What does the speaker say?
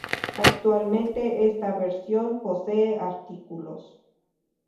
Actualmente, esta versión posee artículos.